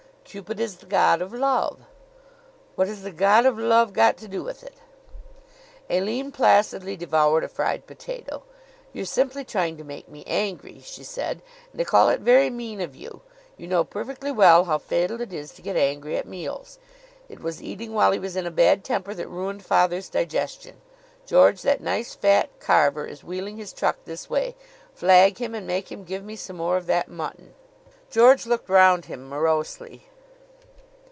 "Cupid is the god of love." "What has the god of love got to do with it?" Aline placidly devoured a fried potato. "You're simply trying to make me angry," she said; "and I call it very mean of you. You know perfectly well how fatal it is to get angry at meals. It was eating while he was in a bad temper that ruined father's digestion. George, that nice, fat carver is wheeling his truck this way. Flag him and make him give me some more of that mutton." George looked round him morosely.